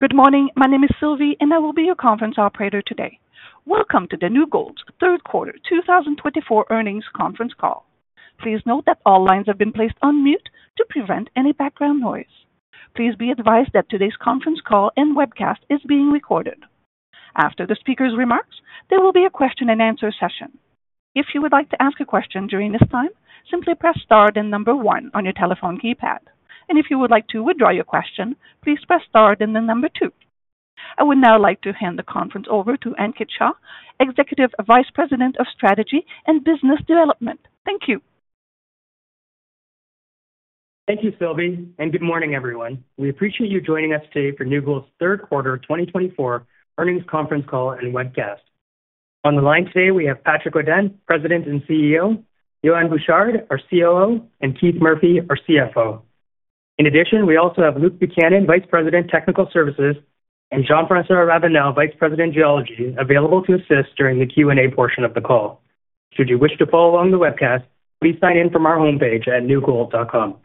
Good morning. My name is Sylvie, and I will be your conference operator today. Welcome to the New Gold's Third Quarter 2024 Earnings Conference Call. Please note that all lines have been placed on mute to prevent any background noise. Please be advised that today's conference call and webcast is being recorded. After the speaker's remarks, there will be a question-and-answer session. If you would like to ask a question during this time, simply press star then number one on your telephone keypad. And if you would like to withdraw your question, please press star then the number two. I would now like to hand the conference over to Ankit Shah, Executive Vice President of Strategy and Business Development. Thank you. Thank you, Sylvie, and good morning, everyone. We appreciate you joining us today for New Gold's third quarter 2024 earnings conference call and webcast. On the line today, we have Patrick Godin, President and CEO, Yohann Bouchard, our COO, and Keith Murphy, our CFO. In addition, we also have Luke Buchanan, Vice President, Technical Services, and Jean-François Ravenelle, Vice President, Geology, available to assist during the Q&A portion of the call. Should you wish to follow along the webcast, please sign in from our homepage at newgold.com.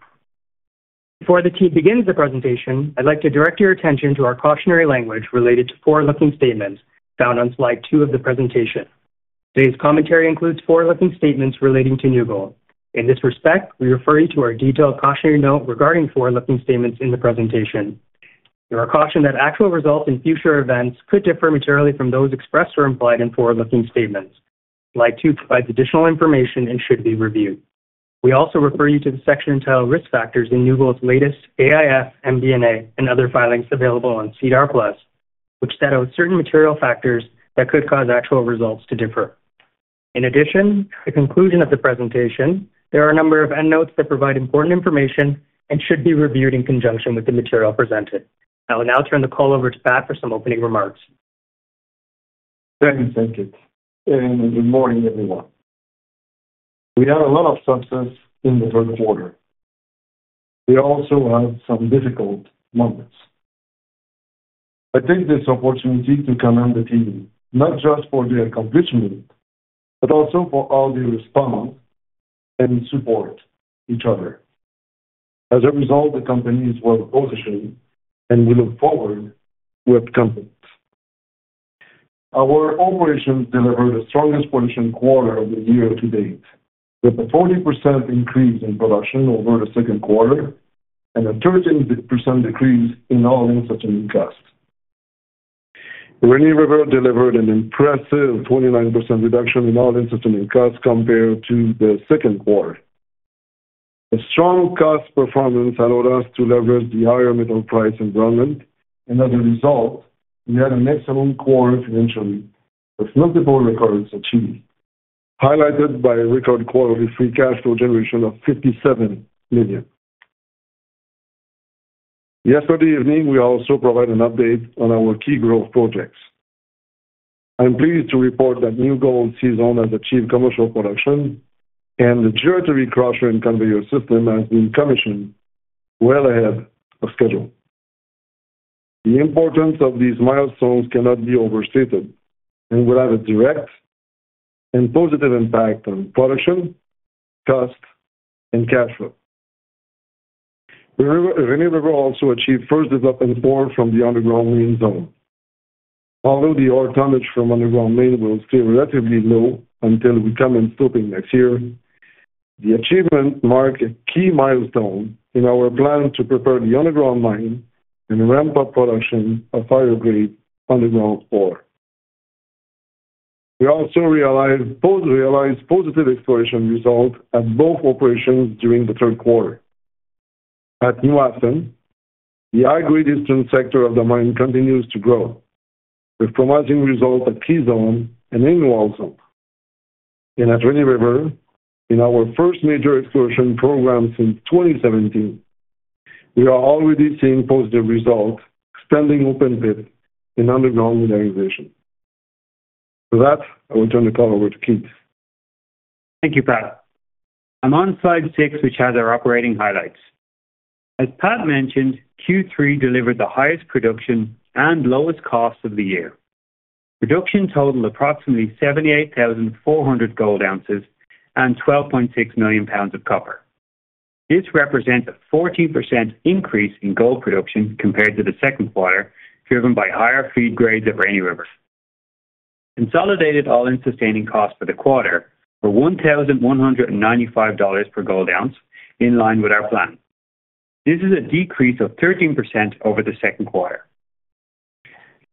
Before the team begins the presentation, I'd like to direct your attention to our cautionary language related to forward-looking statements found on slide two of the presentation. Today's commentary includes forward-looking statements relating to New Gold. In this respect, we refer you to our detailed cautionary note regarding forward-looking statements in the presentation. There are cautions that actual results and future events could differ materially from those expressed or implied in forward-looking statements. Slide two provides additional information and should be reviewed. We also refer you to the section entitled Risk Factors in New Gold's latest AIF, MD&A, and other filings available on SEDAR+, which set out certain material factors that could cause actual results to differ. In addition, at the conclusion of the presentation, there are a number of end notes that provide important information and should be reviewed in conjunction with the material presented. I will now turn the call over to Pat for some opening remarks. Thanks, Ankit. Good morning, everyone. We had a lot of success in the third quarter. We also had some difficult moments. I take this opportunity to commend the team, not just for their commissioning work, but also for how they respond and support each other. As a result, the company is well-positioned, and we look forward to what's to come. Our operations delivered the strongest production quarter of the year to date, with a 40% increase in production over the second quarter and a 13% decrease in all-in sustaining costs. Rainy River delivered an impressive 29% reduction in all-in sustaining costs compared to the second quarter. The strong cost performance allowed us to leverage the higher metal price environment, and as a result, we had an excellent quarter financially, with multiple records achieved, highlighted by a record quarterly free cash flow generation of $57 million. Yesterday evening, we also provided an update on our key growth projects. I'm pleased to report that New Gold's C-Zone has achieved commercial production, and the gyratory crusher and conveyor system has been commissioned well ahead of schedule. The importance of these milestones cannot be overstated and will have a direct and positive impact on production, cost, and cash flow. Rainy River also achieved first development ore from the Underground Main Zone. Although the ore tonnage from Underground Main Zone will stay relatively low until we commence stoping next year, the achievement marked a key milestone in our plan to prepare the underground mine and ramp up production of higher-grade underground ore. We also realized positive exploration results at both operations during the third quarter. At New Afton, the high-grade eastern sector of the mine continues to grow, with promising results at K-Zone and Hanging Wall Zone. At Rainy River, in our first major exploration program since 2017, we are already seeing positive results extending open pit and underground mineralization. With that, I will turn the call over to Keith. Thank you, Pat. I'm on slide six, which has our operating highlights. As Pat mentioned, Q3 delivered the highest production and lowest costs of the year. Production totaled approximately 78,400 gold ounces and 12.6 million pounds of copper. This represents a 14% increase in gold production compared to the second quarter, driven by higher feed grades at Rainy River. Consolidated all-in sustaining costs for the quarter were $1,195 per gold ounce, in line with our plan. This is a decrease of 13% over the second quarter.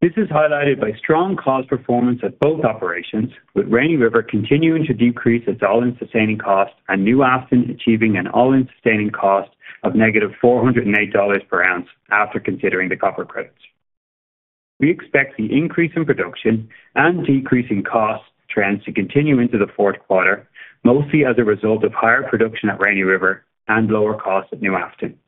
This is highlighted by strong cost performance at both operations, with Rainy River continuing to decrease its all-in sustaining costs and New Afton achieving an all-in sustaining cost of negative $408 per ounce after considering the copper credits. We expect the increase in production and decrease in cost trends to continue into the fourth quarter, mostly as a result of higher production at Rainy River and lower costs at New Afton.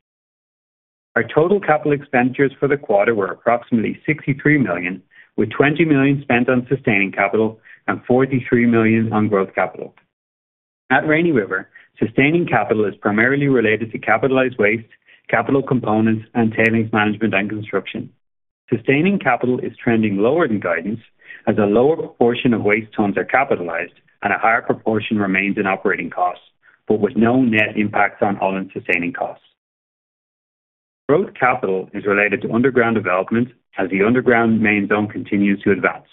Our total capital expenditures for the quarter were approximately $63 million, with $20 million spent on sustaining capital and $43 million on growth capital. At Rainy River, sustaining capital is primarily related to capitalized waste, capital components, and tailings management and construction. Sustaining capital is trending lower than guidance, as a lower proportion of waste tons are capitalized and a higher proportion remains in operating costs, but with no net impacts on all-in sustaining costs. Growth capital is related to underground development as the Underground Main Zone continues to advance.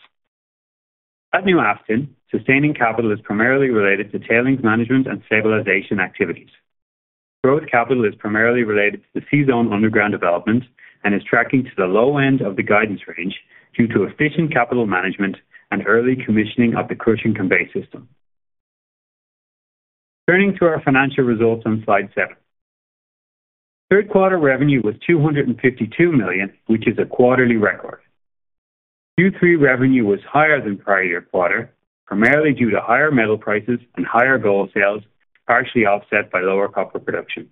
At New Afton, sustaining capital is primarily related to tailings management and stabilization activities. Growth capital is primarily related to the C-Zone underground development and is tracking to the low end of the guidance range due to efficient capital management and early commissioning of the crushing conveyor system. Turning to our financial results on slide 7, third quarter revenue was $252 million, which is a quarterly record. Q3 revenue was higher than prior year quarter, primarily due to higher metal prices and higher gold sales, partially offset by lower copper production.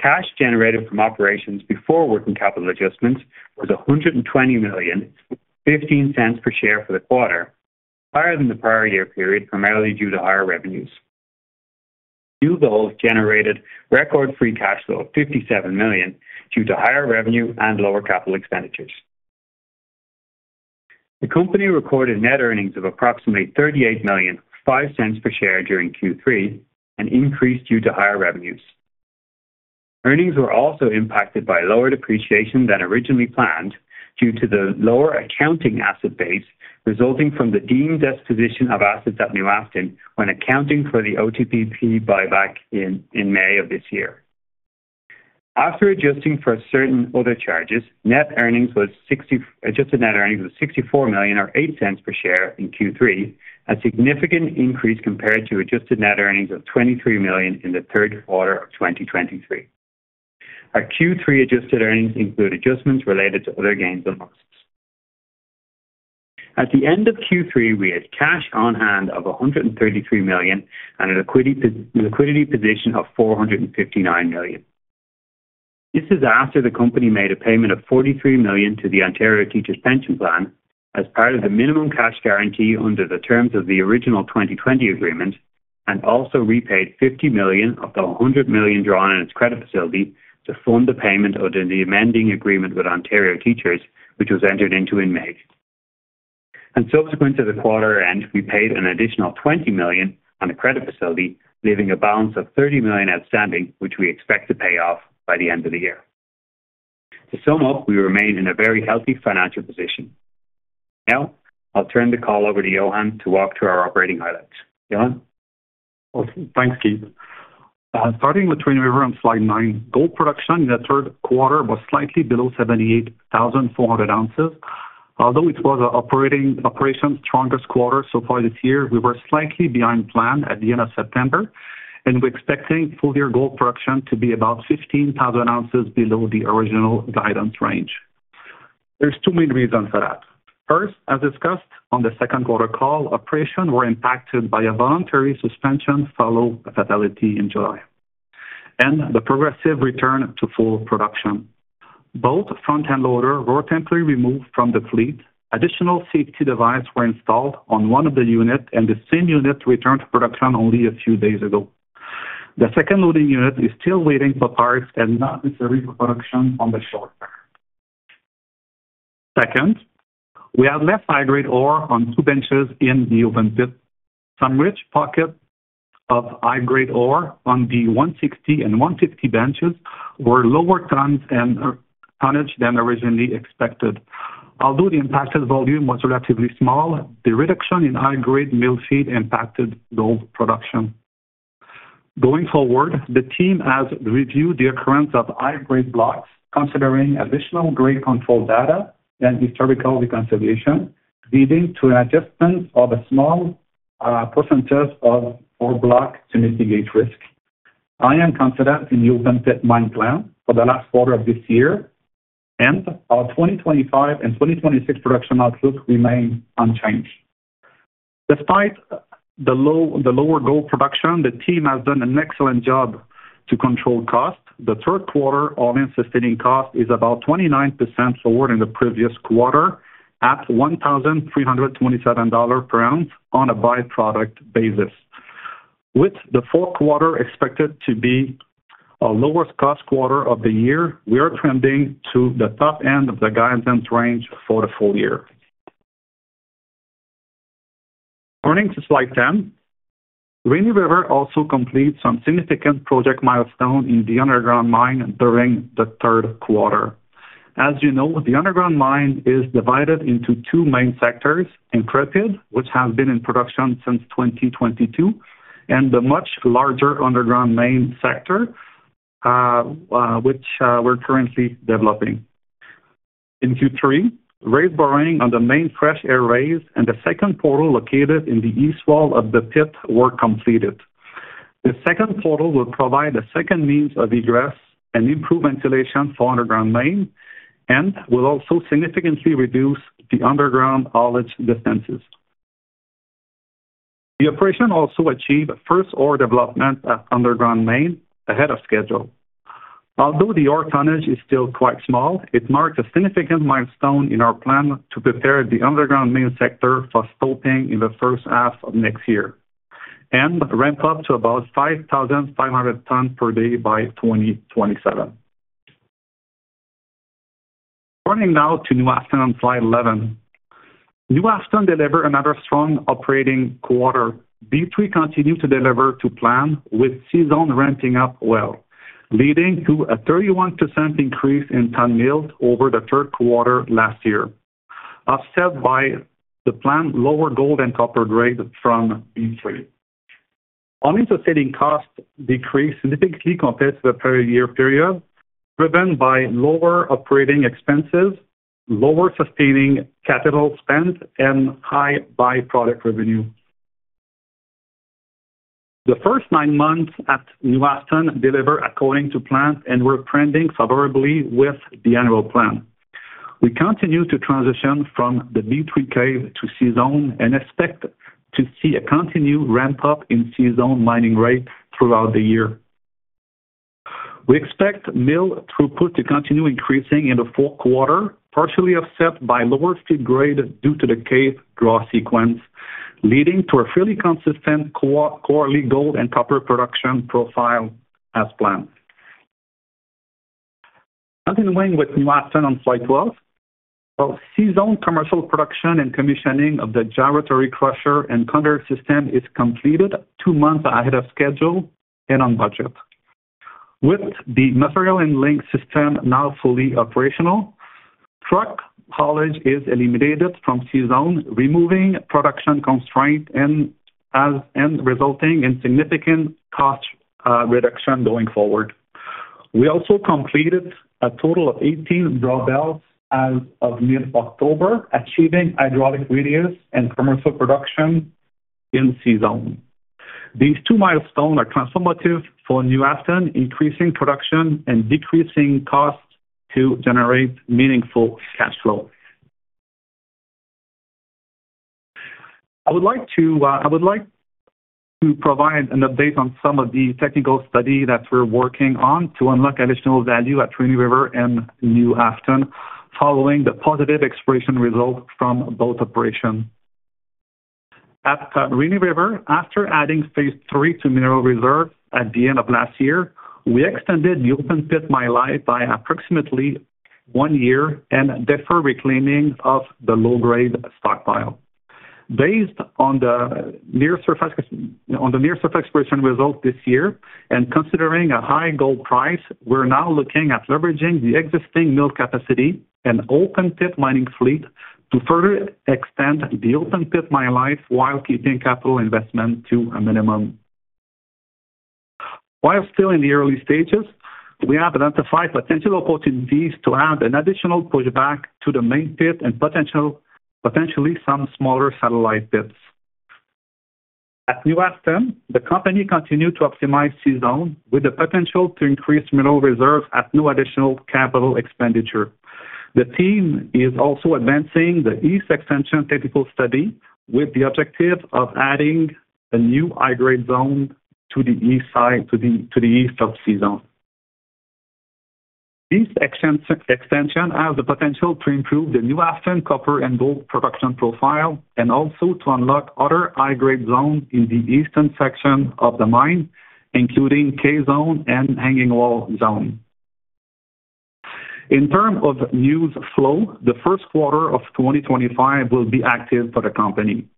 Cash generated from operations before working capital adjustments was $120 million, $0.15 per share for the quarter, higher than the prior year period, primarily due to higher revenues. New Gold generated record free cash flow of $57 million due to higher revenue and lower capital expenditures. The company recorded net earnings of approximately $38 million, $0.05 per share during Q3, an increase due to higher revenues. Earnings were also impacted by lower depreciation than originally planned due to the lower accounting asset base resulting from the deemed disposition of assets at New Afton when accounting for the OTPP buyback in May of this year. After adjusting for certain other charges, adjusted net earnings was $64 million, or $0.08 per share in Q3, a significant increase compared to adjusted net earnings of $23 million in the third quarter of 2023. Our Q3 adjusted earnings include adjustments related to other gains and losses. At the end of Q3, we had cash on hand of $133 million and a liquidity position of $459 million. This is after the company made a payment of $43 million to the Ontario Teachers' Pension Plan as part of the minimum cash guarantee under the terms of the original 2020 agreement and also repaid $50 million of the $100 million drawn in its credit facility to fund the payment under the amending agreement with Ontario Teachers, which was entered into in May, and subsequent to the quarter end, we paid an additional $20 million on the credit facility, leaving a balance of $30 million outstanding, which we expect to pay off by the end of the year. To sum up, we remain in a very healthy financial position. Now, I'll turn the call over to Yohann to walk through our operating highlights. Yohann. Thanks, Keith. Starting with Rainy River on slide nine, gold production in the third quarter was slightly below 78,400 ounces. Although it was an operation's strongest quarter so far this year, we were slightly behind plan at the end of September, and we're expecting full-year gold production to be about 15,000 ounces below the original guidance range. There's two main reasons for that. First, as discussed on the second quarter call, operations were impacted by a voluntary suspension followed by fatality in July and the progressive return to full production. Both front-end loader were temporarily removed from the fleet. Additional safety devices were installed on one of the units, and the same unit returned to production only a few days ago. The second loading unit is still waiting for parts and not necessary for production on the short term. Second, we had less high-grade ore on two benches in the open pit. Some rich pockets of high-grade ore on the 160 and 150 benches were lower tonnage than originally expected. Although the impacted volume was relatively small, the reduction in high-grade mill feed impacted gold production. Going forward, the team has reviewed the occurrence of high-grade blocks, considering additional grade control data and historical reconciliation, leading to an adjustment of a small percentage of four blocks to mitigate risk. I am confident in the open pit mine plan for the last quarter of this year, and our 2025 and 2026 production outlook remain unchanged. Despite the lower gold production, the team has done an excellent job to control cost. The third quarter all-in sustaining cost is about 29% lower than the previous quarter, at $1,327 per ounce on a by-product basis. With the fourth quarter expected to be our lowest cost quarter of the year, we are trending to the top end of the guidance range for the full year. Turning to slide 10, Rainy River also completed some significant project milestones in the underground mine during the third quarter. As you know, the underground mine is divided into two main sectors: Intrepid, which has been in production since 2022, and the much larger Underground Main Zone, which we're currently developing. In Q3, raise boring on the main fresh air raise and the second portal located in the east wall of the pit were completed. The second portal will provide a second means of egress and improve ventilation for Underground Main Zone and will also significantly reduce the underground haulage distances. The operation also achieved first ore development at Underground Main Zone ahead of schedule. Although the ore tonnage is still quite small, it marks a significant milestone in our plan to prepare the Underground Main Zone for stoping in the first half of next year and ramp up to about 5,500 tons per day by 2027. Turning now to New Afton on slide 11, New Afton delivered another strong operating quarter. B3 continued to deliver to plan, with C-Zone ramping up well, leading to a 31% increase in tonnage over the third quarter last year, offset by the planned lower gold and copper grade from B3. All-in sustaining costs decreased significantly compared to the prior year period, driven by lower operating expenses, lower sustaining capital spent, and higher byproduct revenue. The first nine months at New Afton delivered according to plan and were trending favorably with the annual plan. We continue to transition from the B3 cave to C-Zone and expect to see a continued ramp up in C-Zone mining rate throughout the year. We expect mill throughput to continue increasing in the fourth quarter, partially offset by lower feed grade due to the cave draw sequence, leading to a fairly consistent quarterly gold and copper production profile as planned. Continuing with New Afton on slide 12, C-Zone commercial production and commissioning of the gyratory crusher and conveyor system is completed two months ahead of schedule and on budget. With the material handling system now fully operational, truck haulage is eliminated from C-Zone, removing production constraints and resulting in significant cost reduction going forward. We also completed a total of 18 drawbells as of mid-October, achieving hydraulic radius and commercial production in C-Zone. These two milestones are transformative for New Afton, increasing production and decreasing costs to generate meaningful cash flow. I would like to provide an update on some of the technical study that we're working on to unlock additional value at Rainy River and New Afton following the positive exploration results from both operations. At Rainy River, after adding phase III to mineral reserves at the end of last year, we extended the open pit mine life by approximately one year and deferred reclaiming of the low-grade stockpile. Based on the near-surface exploration results this year and considering a high gold price, we're now looking at leveraging the existing mill capacity and open pit mining fleet to further extend the open pit mine life while keeping capital investment to a minimum. While still in the early stages, we have identified potential opportunities to add an additional pushback to the main pit and potentially some smaller satellite pits. At New Afton, the company continued to optimize C-Zone with the potential to increase mineral reserves at no additional capital expenditure. The team is also advancing the East Extension technical study with the objective of adding a new high-grade zone to the east of C-Zone. East extension has the potential to improve the New Afton copper and gold production profile and also to unlock other high-grade zones in the eastern section of the mine, including K-Zone and Hanging Wall Zone. In terms of news flow, the first quarter of 2025 will be active for the company.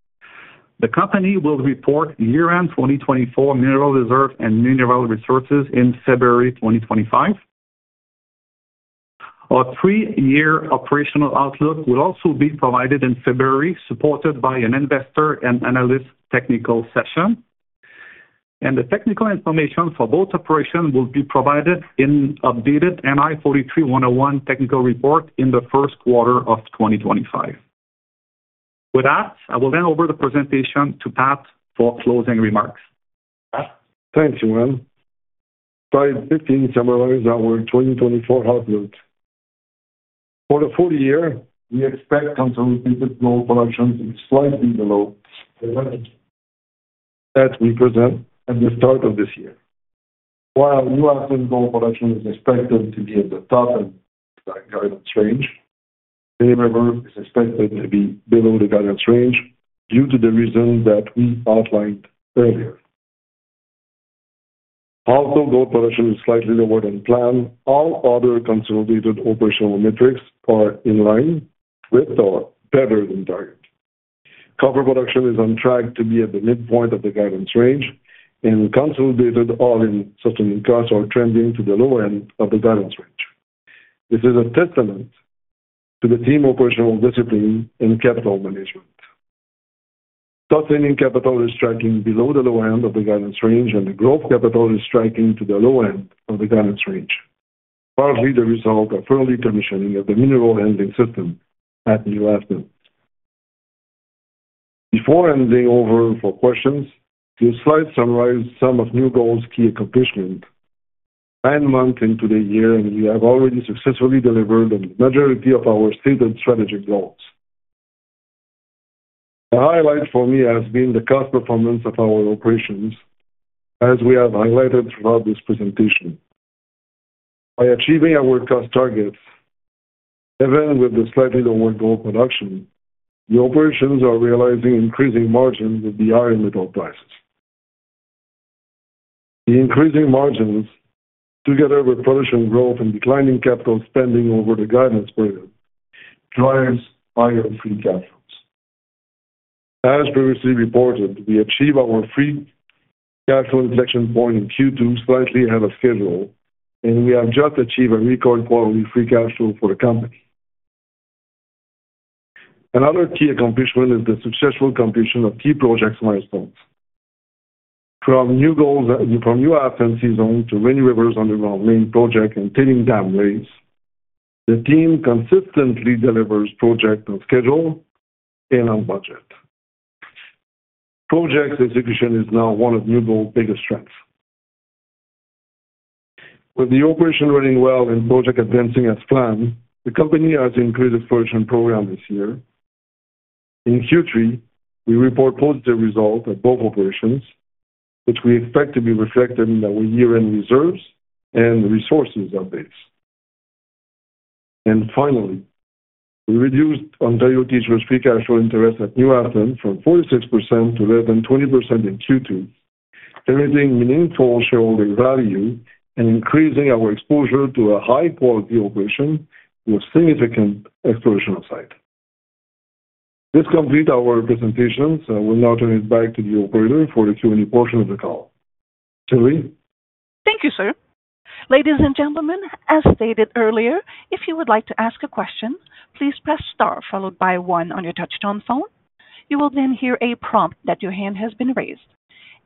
The company will report year-end 2024 mineral reserves and mineral resources in February 2025. A three-year operational outlook will also be provided in February, supported by an investor and analyst technical session. And the technical information for both operations will be provided in updated NI 43-101 technical report in the first quarter of 2025. With that, I will hand over the presentation to Pat for closing remarks. Thanks, Yohann. Slide 15 summarizes our 2024 outlook. For the full year, we expect consolidated gold production to be slightly below the level that we presented at the start of this year. While New Afton's gold production is expected to be at the top of the guidance range, Rainy River is expected to be below the guidance range due to the reasons that we outlined earlier. Although gold production is slightly lower than planned, all other consolidated operational metrics are in line with or better than target. Copper production is on track to be at the midpoint of the guidance range and consolidated all-in sustaining costs are trending to the lower end of the guidance range. This is a testament to the team's operational discipline and capital management. Sustaining capital is tracking below the lower end of the guidance range, and the growth capital is tracking to the lower end of the guidance range, partly the result of early commissioning of the mineral handling system at New Afton. Before handing over for questions, the slide summarizes some of New Gold's key accomplishments. Nine months into the year, we have already successfully delivered on the majority of our stated strategic goals. A highlight for me has been the cost performance of our operations, as we have highlighted throughout this presentation. By achieving our cost targets, even with the slightly lower gold production, the operations are realizing increasing margins with the higher metal prices. The increasing margins, together with production growth and declining capital spending over the guidance period, drive higher free cash flows. As previously reported, we achieved our free cash flow inflection point in Q2 slightly ahead of schedule, and we have just achieved a record quarterly free cash flow for the company. Another key accomplishment is the successful completion of key project milestones. From New Afton C-Zone to Rainy River's Underground Main project and Tailings Dam Raise, the team consistently delivers projects on schedule and on budget. Project execution is now one of New Gold's biggest strengths. With the operation running well and project advancing as planned, the company has increased its production program this year. In Q3, we report positive results at both operations, which we expect to be reflected in our year-end reserves and resources updates. Finally, we reduced Teachers' Free Cash Flow interest at New Afton from 46% to less than 20% in Q2, generating meaningful shareholder value and increasing our exposure to a high-quality operation with significant exploration upside. This completes our presentation. I will now turn it back to the operator for the Q&A portion of the call. Sylvie. Thank you, sir. Ladies and gentlemen, as stated earlier, if you would like to ask a question, please press star followed by one on your touch-tone phone. You will then hear a prompt that your hand has been raised,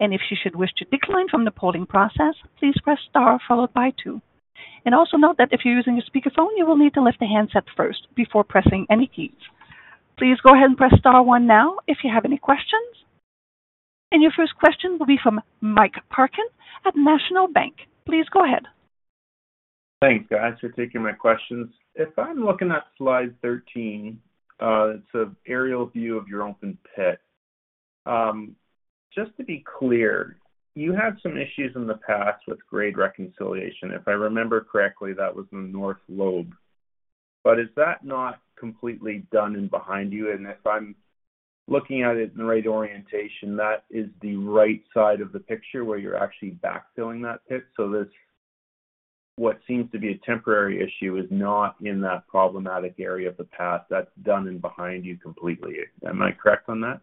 and if you should wish to decline from the polling process, please press star followed by two, and also note that if you're using a speakerphone, you will need to lift the handset first before pressing any keys. Please go ahead and press star one now if you have any questions, and your first question will be from Mike Parkin at National Bank Financial. Please go ahead. Thanks, guys, for taking my questions. If I'm looking at slide 13, it's an aerial view of your open pit. Just to be clear, you had some issues in the past with grade reconciliation. If I remember correctly, that was in the North Lobe. But is that not completely done and behind you? And if I'm looking at it in the right orientation, that is the right side of the picture where you're actually backfilling that pit. So what seems to be a temporary issue is not in that problematic area of the pit. That's done and behind you completely. Am I correct on that?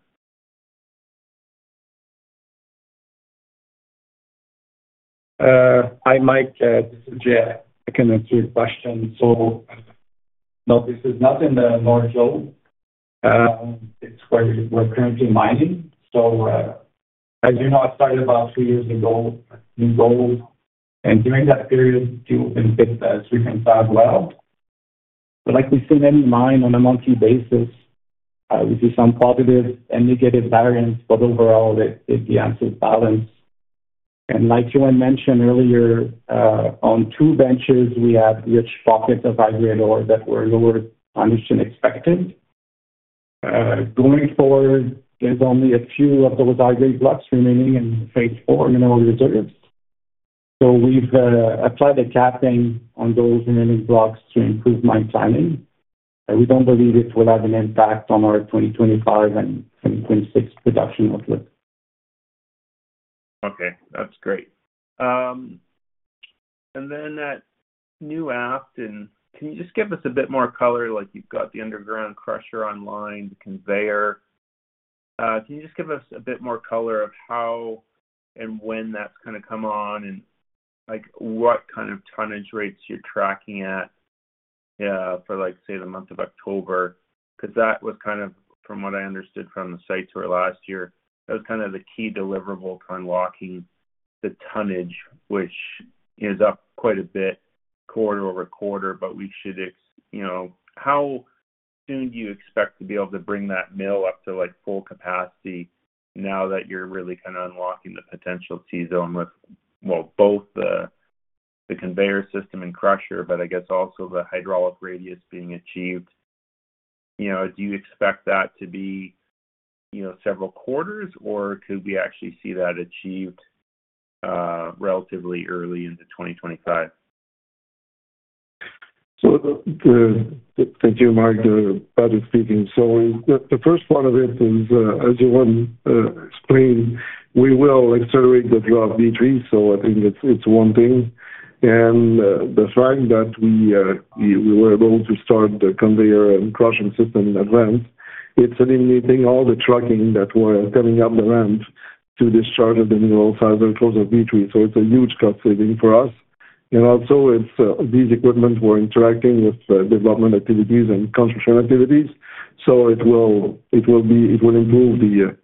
Hi, Mike. This is [Jean]. I can answer your question. No, this is not in the North Lobe. It's where we're currently mining. As you know, I started about two years ago in gold. And during that period, the open pit has reconciled well. But like we see in any mine on a monthly basis, we see some positive and negative variance, but overall, it's balanced. And like Yohann mentioned earlier, on two benches, we had rich pockets of high-grade ore that were lower than we should expected. Going forward, there's only a few of those high-grade blocks remaining in phase IV mineral reserves. So we've applied a capping on those remaining blocks to improve mine planning. We don't believe it will have an impact on our 2025 and 2026 production outlook. Okay. That's great. And then at New Afton, can you just give us a bit more color? You've got the underground crusher online, the conveyor. Can you just give us a bit more color of how and when that's kind of come on and what kind of tonnage rates you're tracking at for, say, the month of October? Because that was kind of, from what I understood from the site tour last year, that was kind of the key deliverable for unlocking the tonnage, which is up quite a bit quarter over quarter. But how soon do you expect to be able to bring that mill up to full capacity now that you're really kind of unlocking the potential C-Zone with, well, both the conveyor system and crusher, but I guess also the hydraulic radius being achieved? Do you expect that to be several quarters, or could we actually see that achieved relatively early into 2025? So thank you, Mike, for speaking. So the first part of it is, as Yohann explained, we will accelerate the draw of B3. So I think it's one thing. And the fact that we were able to start the conveyor and crushing system in advance, it's eliminating all the trucking that were coming up the ramp to discharge of the mineral feed close to B3. So it's a huge cost saving for us. And also, these equipment were interacting with development activities and construction activities. So it will improve the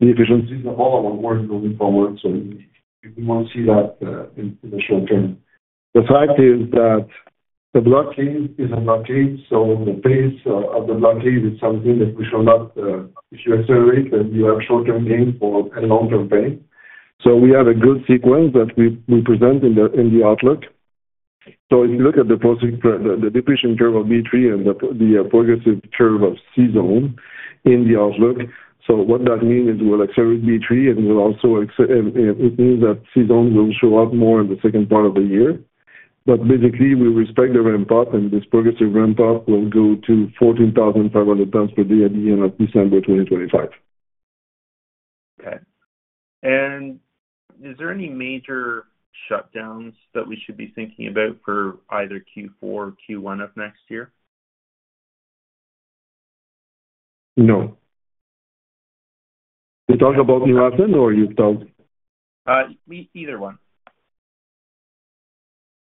efficiencies of all our work moving forward. So we want to see that in the short term. The fact is that the block cave is a block cave. So the pace of the block cave is something that we shall not. If you accelerate, then you have short-term gain and long-term pain. So we have a good sequence that we present in the outlook. So if you look at the depletion curve of B3 and the production curve of C-Zone in the outlook, so what that means is we'll accelerate B3, and we'll also, it means that C-Zone will show up more in the second part of the year. But basically, we respect the ramp-up, and this production ramp-up will go to 14,500 tons per day at the end of December 2025. Okay. And is there any major shutdowns that we should be thinking about for either Q4 or Q1 of next year? No. You're talking about New Afton, or you're talking? Either one.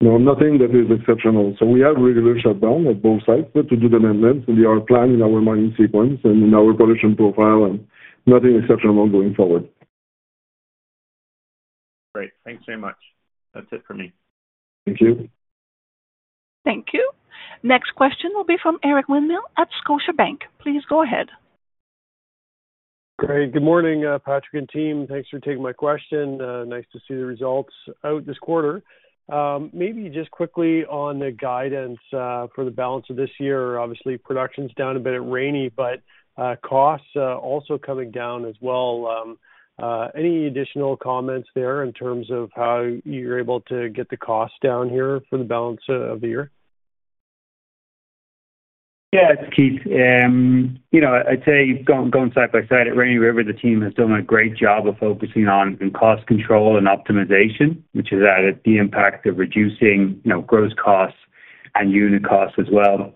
No, nothing that is exceptional. So we have regular shutdown at both sites, but to do the maintenance, we are planning our mining sequence and in our production profile, and nothing exceptional going forward. Great. Thanks very much. That's it for me. Thank you. Thank you. Next question will be from Eric Winmill at Scotiabank. Please go ahead. Great. Good morning, Patrick and team. Thanks for taking my question. Nice to see the results out this quarter. Maybe just quickly on the guidance for the balance of this year. Obviously, production's down a bit at Rainy, but costs also coming down as well. Any additional comments there in terms of how you're able to get the cost down here for the balance of the year? Yeah, it's Keith. I'd say going side by side at Rainy, the team has done a great job of focusing on cost control and optimization, which has added the impact of reducing gross costs and unit costs as well.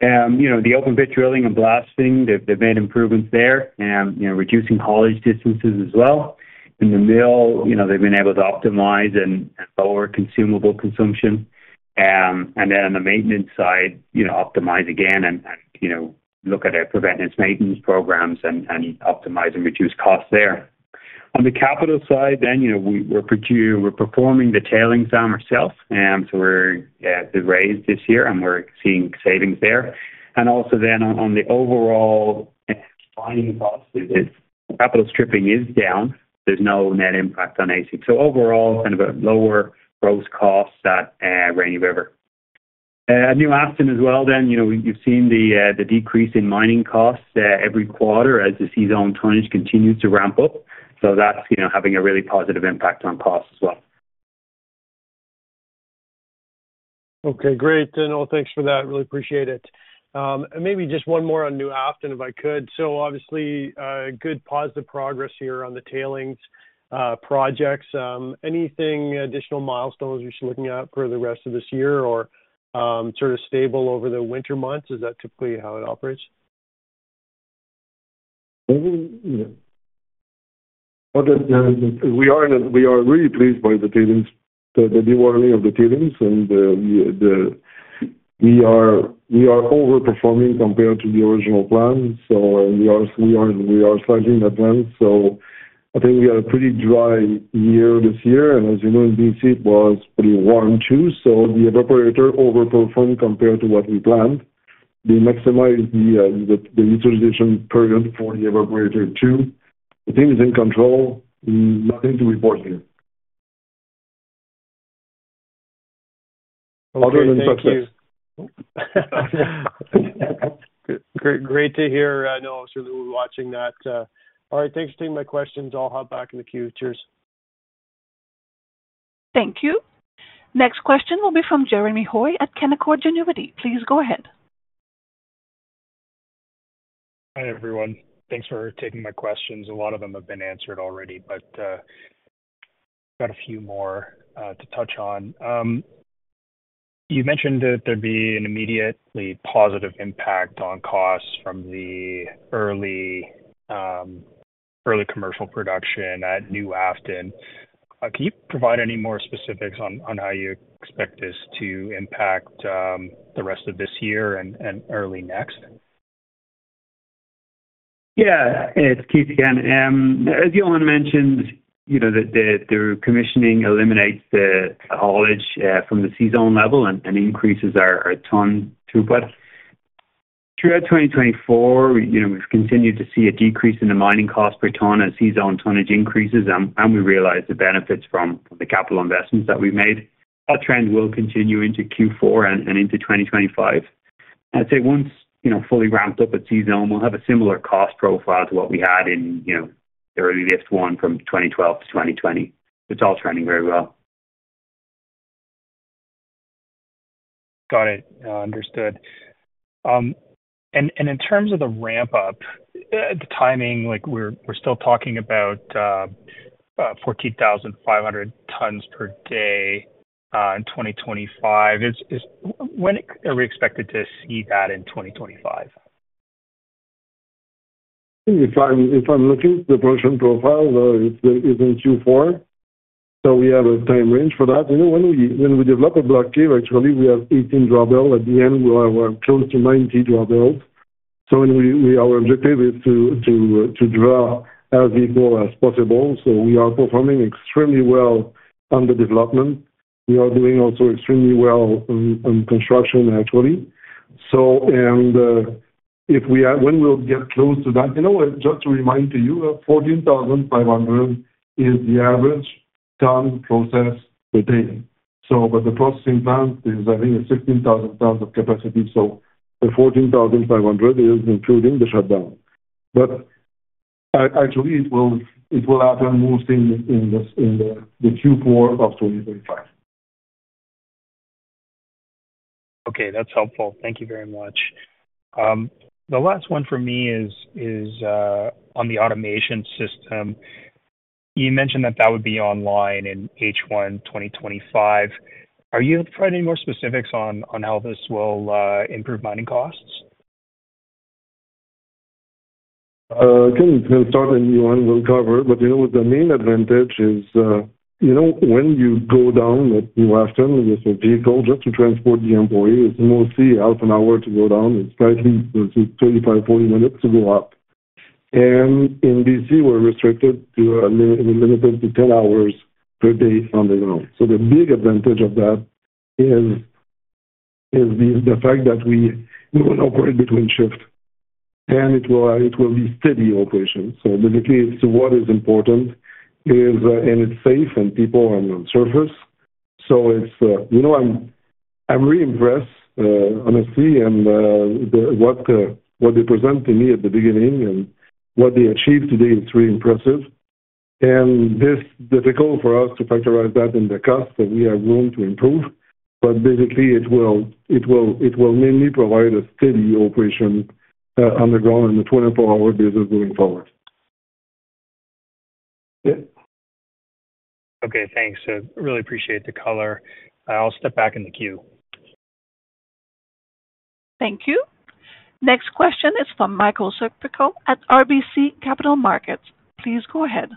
The open pit drilling and blasting, they've made improvements there, reducing haulage distances as well. In the mill, they've been able to optimize and lower consumable consumption. And then on the maintenance side, optimize again and look at our preventive maintenance programs and optimize and reduce costs there. On the capital side, then we're performing the tailings dam raise ourselves. So we're at the raise this year, and we're seeing savings there. And also then on the overall mining costs, capital stripping is down. There's no net impact on AISC. So overall, kind of a lower gross costs at Rainy River. At New Afton as well, then you've seen the decrease in mining costs every quarter as the C-Zone tonnage continues to ramp up. So that's having a really positive impact on costs as well. Okay. Great. Thanks for that. Really appreciate it. And maybe just one more on New Afton, if I could. So obviously, good positive progress here on the tailings projects. Anything additional milestones you're looking at for the rest of this year or sort of stable over the winter months? Is that typically how it operates? We are really pleased by the tailings, the dewatering of the tailings, and we are overperforming compared to the original plan, so we are slightly in advance. I think we had a pretty dry year this year, and as you know, in B.C., it was pretty warm too, so the evaporator overperformed compared to what we planned. We maximized the utilization period for the evaporator too. The team is in control. Nothing to report here, other than success. Okay. Thank you. Great to hear. I know I'll certainly be watching that. All right. Thanks for taking my questions. I'll hop back in the queue. Cheers. Thank you. Next question will be from Jeremy Hoy at Canaccord Genuity. Please go ahead. Hi everyone. Thanks for taking my questions. A lot of them have been answered already, but got a few more to touch on. You mentioned that there'd be an immediately positive impact on costs from the early commercial production at New Afton. Can you provide any more specifics on how you expect this to impact the rest of this year and early next? Yeah. It's Keith again. As Yohann mentioned, the commissioning eliminates the haulage from the C-Zone level and increases our ton throughput. Throughout 2024, we've continued to see a decrease in the mining cost per ton as C-Zone tonnage increases, and we realize the benefits from the capital investments that we've made. That trend will continue into Q4 and into 2025. I'd say once fully ramped up at C-Zone, we'll have a similar cost profile to what we had in the early lift one from 2012 to 2020. It's all trending very well. Got it. Understood. And in terms of the ramp-up, the timing, we're still talking about 14,500 tons per day in 2025. When are we expected to see that in 2025? If I'm looking at the production profile, it's in Q4. So we have a time range for that. When we develop a block cave, actually, we have 18 drawbells. At the end, we're close to 90 drawbells. So our objective is to draw as little as possible. So we are performing extremely well on the development. We are doing also extremely well on construction, actually. And when we'll get close to that, just to remind you, 14,500 is the average tonnes processed per day. But the processing plant is, I think, 16,000 tonnes of capacity. So the 14,500 is including the shutdown. But actually, it will happen mostly in the Q4 of 2025. Okay. That's helpful. Thank you very much. The last one for me is on the automation system. You mentioned that that would be online in H1 2025. Are you providing any more specifics on how this will improve mining costs? We can start, and Yohann will cover. But the main advantage is when you go down at New Afton with a vehicle just to transport the employees. It's mostly half an hour to go down. It's slightly 35-40 minutes to go up. And in BC, we're restricted, limited to 10 hours per day on the ground. So the big advantage of that is the fact that we operate between shifts, and it will be steady operation. So basically, what is important is, and it's safe, and people are on the surface. So I'm really impressed, honestly, and what they present to me at the beginning and what they achieved today is really impressive. And it's difficult for us to factorize that in the cost that we are going to improve. But basically, it will mainly provide a steady operation on the ground in the 24-hour business going forward. Yeah. Okay. Thanks. Really appreciate the color. I'll step back in the queue. Thank you. Next question is from Michael Siperco at RBC Capital Markets. Please go ahead.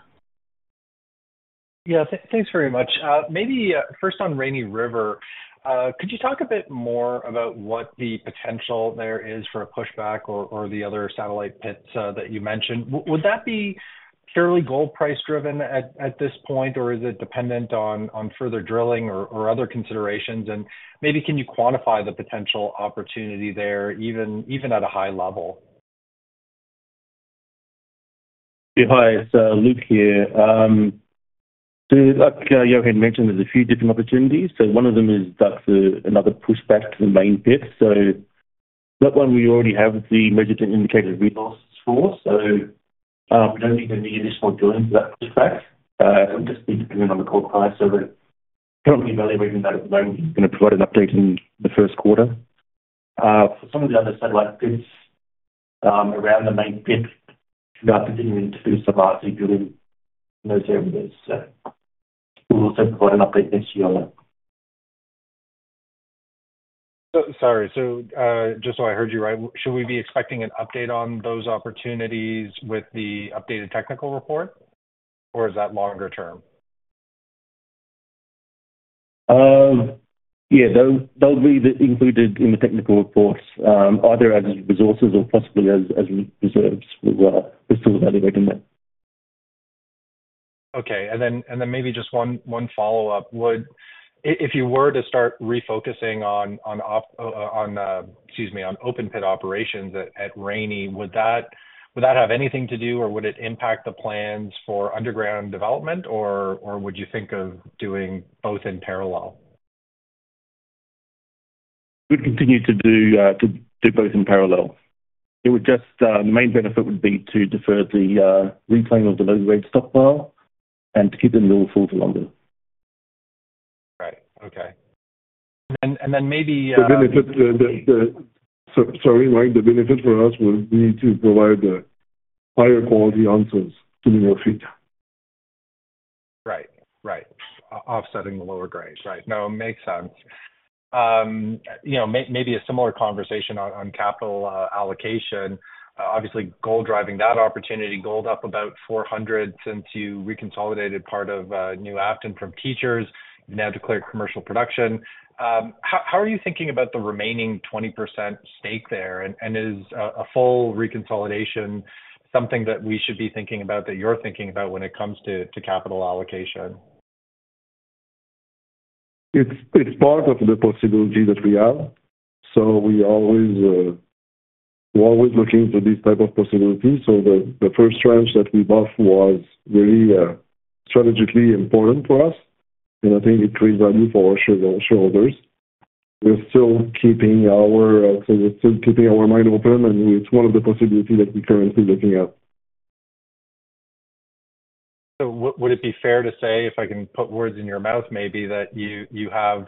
Yeah. Thanks very much. Maybe first on Rainy River. Could you talk a bit more about what the potential there is for a pushback or the other satellite pits that you mentioned? Would that be purely gold price-driven at this point, or is it dependent on further drilling or other considerations? And maybe can you quantify the potential opportunity there, even at a high level? Hi. It's Luke here. So, like Yohann mentioned, there's a few different opportunities. So, one of them is another pushback to the main pit. So, that one we already have the measured and indicated resources for. So, we don't need any additional drilling for that pushback. It'll just be depending on the gold price. So, we're currently evaluating that at the moment. We're going to provide an update in the first quarter. For some of the other satellite pits around the main pit, we are continuing to do some RC drilling in those areas. So, we'll also provide an update next year on that. Sorry. So just so I heard you right, should we be expecting an update on those opportunities with the updated technical report, or is that longer term? Yeah. They'll be included in the technical reports, either as resources or possibly as reserves. We're still evaluating that. Okay, and then maybe just one follow-up. If you were to start refocusing on, excuse me, on open pit operations at Rainy, would that have anything to do, or would it impact the plans for underground development, or would you think of doing both in parallel? We'd continue to do both in parallel. The main benefit would be to defer the reclaim of the low-grade stockpile and to keep them in the old fields longer. Right. Okay. And then maybe. The benefit, sorry, right? The benefit for us would be to provide the higher quality answers to the new feed. Right. Right. Offsetting the lower grade. Right. No, it makes sense. Maybe a similar conversation on capital allocation. Obviously, gold driving that opportunity. Gold up about $400 since you reconsolidated part of New Afton from Teachers. You've now declared commercial production. How are you thinking about the remaining 20% stake there? And is a full reconsolidation something that we should be thinking about, that you're thinking about when it comes to capital allocation? It's part of the possibility that we have. So we're always looking for these types of possibilities. So the first tranche that we bought was really strategically important for us, and I think it creates value for our shareholders. We're still keeping our mind open, and it's one of the possibilities that we're currently looking at. So would it be fair to say, if I can put words in your mouth, maybe, that you have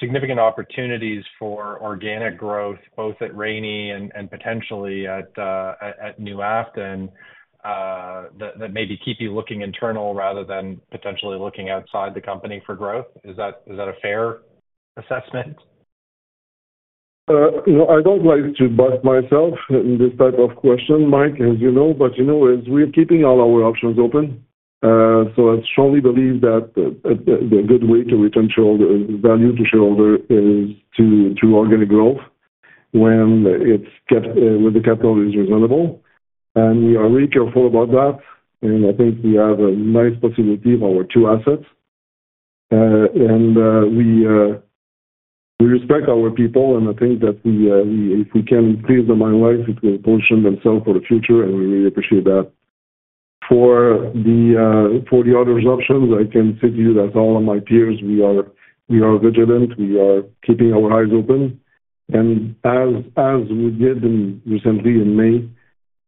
significant opportunities for organic growth both at Rainy and potentially at New Afton that maybe keep you looking internal rather than potentially looking outside the company for growth? Is that a fair assessment? I don't like to bite myself in this type of question, Mike, as you know, but we're keeping all our options open, so I strongly believe that the good way to return value to shareholders is through organic growth when the capital is reasonable, and we are really careful about that, and I think we have a nice possibility of our two assets, and we respect our people, and I think that if we can increase the mine life, it will position themselves for the future, and we really appreciate that. For the other options, I can say to you that all of my peers, we are vigilant. We are keeping our eyes open, and as we did recently in May,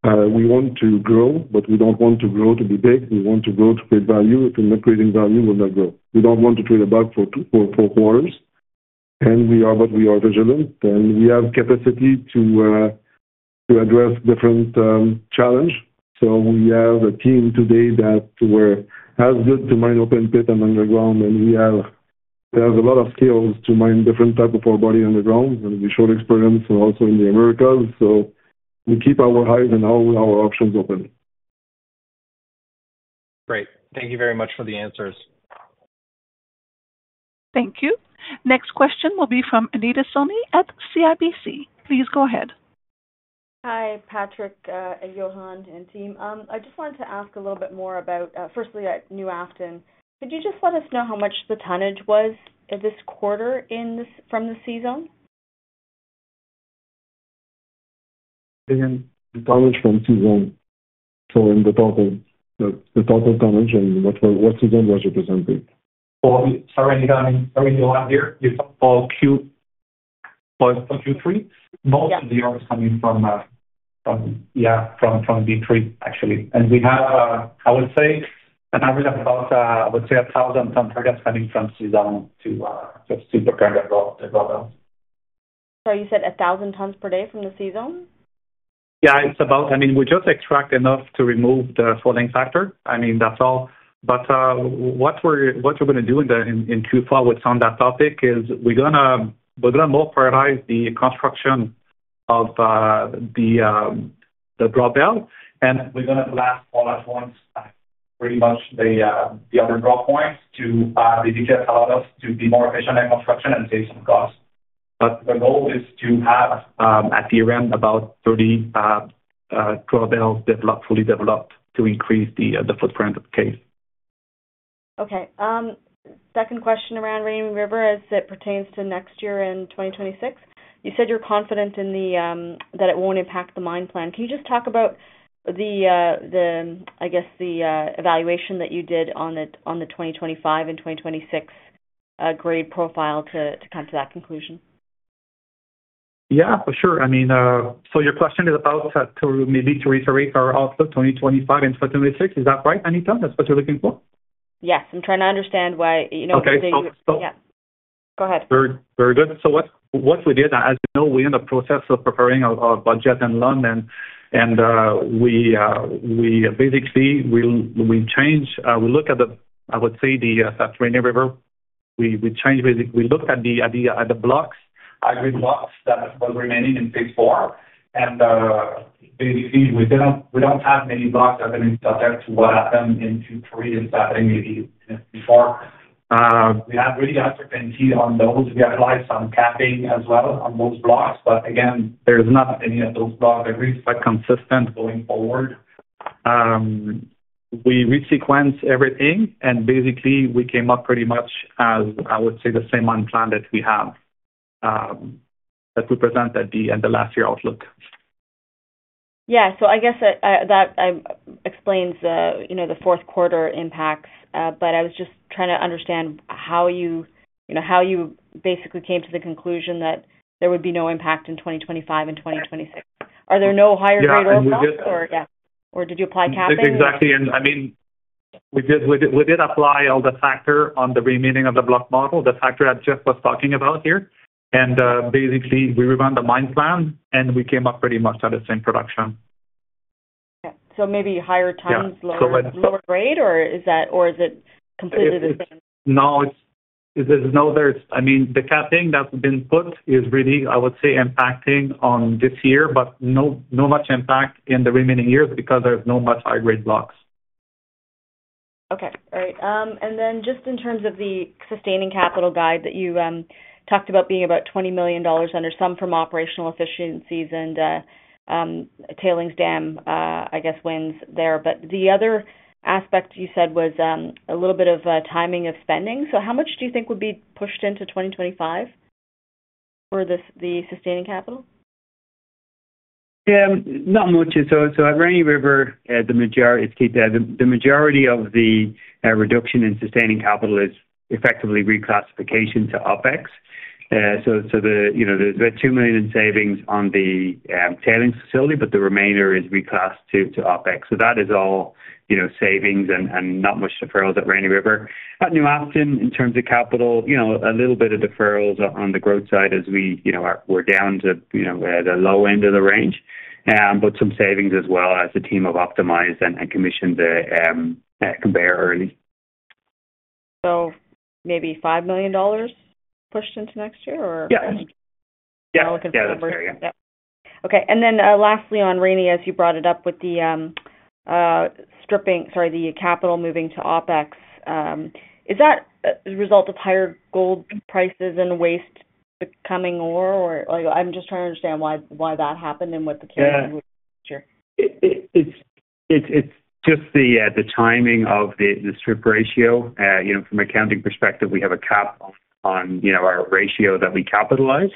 we want to grow, but we don't want to grow to be big. We want to grow to create value. If we're not creating value, we're not growing. We don't want to trade a buck for quarters. We are vigilant, and we have capacity to address different challenges. We have a team today that has know-how to mine open pit and underground, and we have a lot of skills to mine different types of ore body underground. We have shown experience also in the Americas. We keep our eyes and all our options open. Great. Thank you very much for the answers. Thank you. Next question will be from Anita Soni at CIBC. Please go ahead. Hi, Patrick, Yohann, and team. I just wanted to ask a little bit more about, firstly, at New Afton. Could you just let us know how much the tonnage was this quarter from the C-Zone? Again, the tonnage from C-Zone, so in the total tonnage and what C-Zone was representing. Sorry, Yohann. Sorry, Yohann. You're talking about Q3? Most of the ores coming from, yeah, from B3, actually. And we have, I would say, an average of about, I would say, 1,000-ton targets coming from C-Zone just to prepare the drawbells. Sorry, you said 1,000 tons per day from the C-Zone? Yeah. I mean, we just extract enough to remove the falling factor. I mean, that's all. But what we're going to do in Q4 with some of that topic is we're going to mobilize the construction of the drawbell, and we're going to blast all at once, pretty much the other drawpoints to just allow us to be more efficient at construction and save some costs. But the goal is to have, at year-end, about 30 drawbells fully developed to increase the footprint of the cave. Okay. Second question around Rainy River as it pertains to next year in 2026. You said you're confident that it won't impact the mine plan. Can you just talk about, I guess, the evaluation that you did on the 2025 and 2026 grade profile to come to that conclusion? Yeah. For sure. I mean, so your question is about maybe to reiterate our outlook 2025 and 2026. Is that right, Anita? That's what you're looking for? Yes. I'm trying to understand why you know what they, yeah. Go ahead. Very good, so what we did, as you know, we're in the process of preparing our budget and long, and we basically will change—we look at the, I would say, the Rainy River. We looked at the blocks, aggregate blocks that were remaining in phase IV. And basically, we don't have many blocks that have been adapted to what happened in Q3 and started maybe in Q4. We have really good certainty on those. We applied some capping as well on those blocks. But again, there's not any of those blocks that really quite consistent going forward. We re-sequenced everything, and basically, we came up pretty much as, I would say, the same mine plan that we presented at the end of last year outlook. Yeah, so I guess that explains the fourth quarter impacts, but I was just trying to understand how you basically came to the conclusion that there would be no impact in 2025 and 2026. Are there no higher grade ore costs? Or did you apply capping? Exactly. And I mean, we did apply all the factor on the remaining of the block model, the factor I just was talking about here. And basically, we revamped the mine plan, and we came up pretty much at the same production. Okay. So maybe higher tons, lower grade, or is it completely the same? No. I mean, the capping that's been put is really, I would say, impacting on this year, but no much impact in the remaining years because there's no much high-grade blocks. Okay. All right, and then just in terms of the sustaining capital guide that you talked about being about $20 million under, some from operational efficiencies and tailings dam, I guess, wins there. But the other aspect you said was a little bit of timing of spending. So how much do you think would be pushed into 2025 for the sustaining capital? Yeah. Not much. So at Rainy River, the majority of the reduction in sustaining capital is effectively reclassification to OpEx. So there's about $2 million in savings on the tailings facility, but the remainder is reclassed to OpEx. So that is all savings and not much deferrals at Rainy River. At New Afton, in terms of capital, a little bit of deferrals on the growth side as we're down to the low end of the range, but some savings as well as the team have optimized and commissioned the conveyor early. So maybe $5 million pushed into next year, or? Yes. Yes. I'm looking for numbers. Yeah. Okay. And then lastly, on Rainy, as you brought it up with the stripping, sorry, the capital moving to OpEx, is that a result of higher gold prices and waste becoming ore? I'm just trying to understand why that happened and what the carry-on was next year. It's just the timing of the strip ratio. From an accounting perspective, we have a cap on our ratio that we capitalize.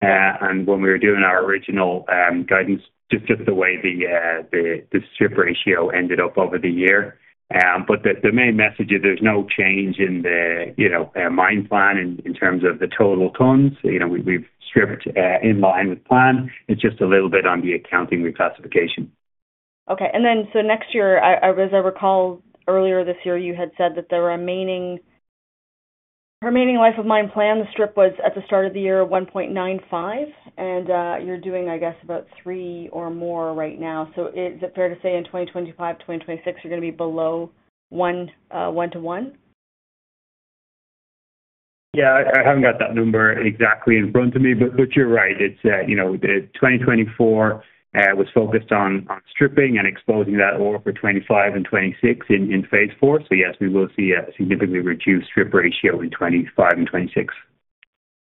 When we were doing our original guidance, just the way the strip ratio ended up over the year. The main message is there's no change in the mine plan in terms of the total tons. We've stripped in line with plan. It's just a little bit on the accounting reclassification. Okay. And then so next year, as I recall, earlier this year, you had said that the remaining life of mine plan, the strip was at the start of the year 1.95, and you're doing, I guess, about three or more right now. So is it fair to say in 2025, 2026, you're going to be below 1 to 1? Yeah. I haven't got that number exactly in front of me, but you're right. It's that 2024 was focused on stripping and exposing that ore for 2025 and 2026 in phase IV, so yes, we will see a significantly reduced strip ratio in 2025 and 2026.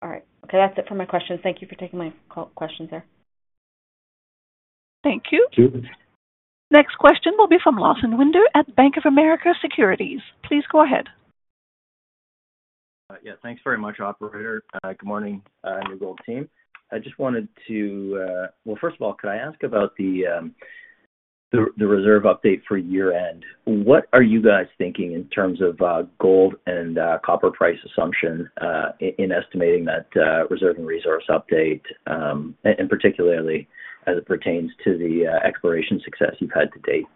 All right. Okay. That's it for my questions. Thank you for taking my questions there. Thank you. You too. Next question will be from Lawson Winder at Bank of America Securities. Please go ahead. Yeah. Thanks very much, operator. Good morning, New Gold team. I just wanted to, well, first of all, could I ask about the reserve update for year-end? What are you guys thinking in terms of gold and copper price assumption in estimating that reserve and resource update, and particularly as it pertains to the exploration success you've had to date?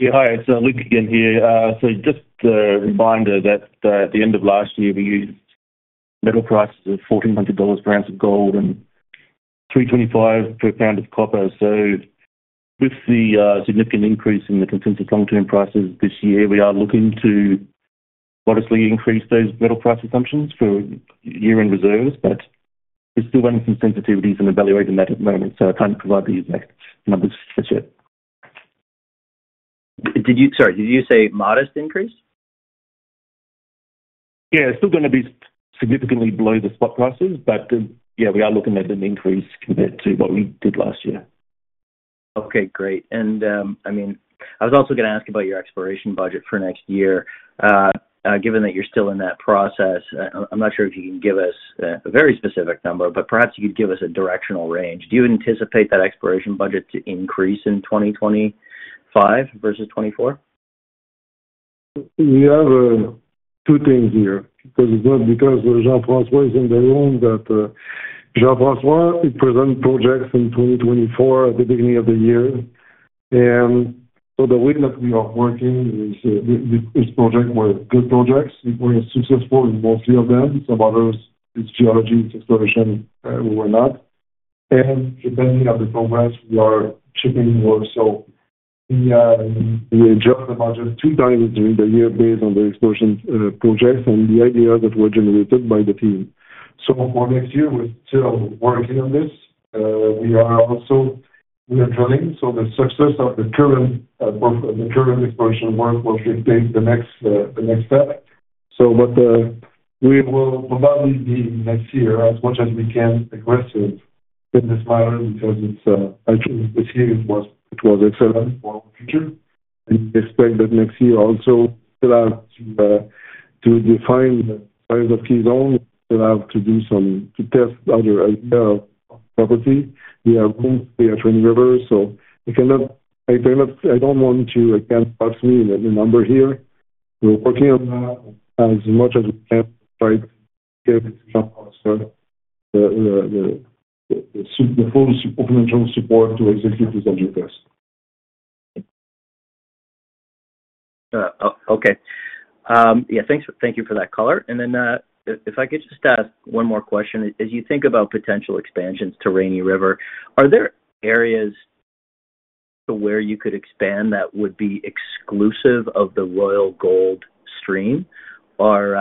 Yeah. Hi. It's Luke again here. So just a reminder that at the end of last year, we used metal prices of $1,400 per ounce of gold and $3.25 per pound of copper. So with the significant increase in the consensus long-term prices this year, we are looking to modestly increase those metal price assumptions for year-end reserves, but we're still running some sensitivities and evaluating that at the moment. So I can't provide the exact numbers for sure. Sorry. Did you say modest increase? Yeah. It's still going to be significantly below the spot prices, but yeah, we are looking at an increase compared to what we did last year. Okay. Great. And I mean, I was also going to ask about your exploration budget for next year. Given that you're still in that process, I'm not sure if you can give us a very specific number, but perhaps you could give us a directional range. Do you anticipate that exploration budget to increase in 2025 versus 2024? We have two things here because it's not because Jean-François is in the room that Jean-François presented projects in 2024 at the beginning of the year, and so the way that we are working is projects were good projects, we were successful in most of them, some others, it's geology, it's exploration, we were not, and depending on the progress, we are shipping more, so we adjust the budget two times during the year based on the exploration projects and the ideas that were generated by the team, so for next year, we're still working on this, we are also drilling, so the success of the current exploration work will dictate the next step, so we will probably be next year as much as we can aggressive in this matter because this year it was excellent for future. And we expect that next year also still have to define the size of K-Zone. We still have to do some to test other ideas of property. We have room to stay at Rainy River. So I don't want to, I can't parse in the number here. We're working on that as much as we can to try to get Jean-François the full financial support to execute these adjacent tests. Okay. Yeah. Thank you for that color, and then if I could just ask one more question. As you think about potential expansions to Rainy River, are there areas where you could expand that would be exclusive of the Royal Gold stream, or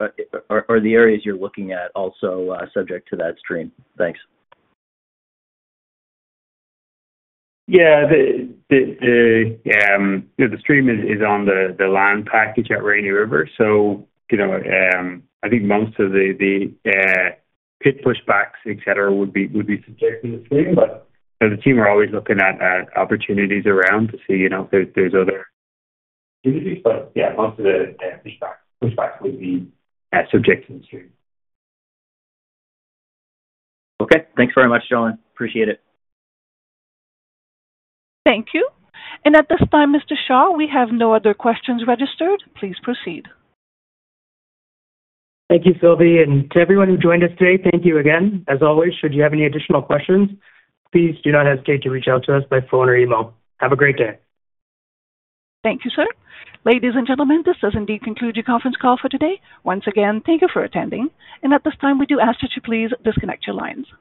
are the areas you're looking at also subject to that stream? Thanks. Yeah. The stream is on the land package at Rainy River. So I think most of the pit pushbacks, etc., would be subjected to the stream. But the team are always looking at opportunities around to see if there's other activities. But yeah, most of the pushbacks would be subjected to the stream. Okay. Thanks very much, Yohann. Appreciate it. Thank you. And at this time, Mr. Shah, we have no other questions registered. Please proceed. Thank you, Sylvie. And to everyone who joined us today, thank you again. As always, should you have any additional questions, please do not hesitate to reach out to us by phone or email. Have a great day. Thank you, sir. Ladies and gentlemen, this does indeed conclude your conference call for today. Once again, thank you for attending. And at this time, we do ask that you please disconnect your lines.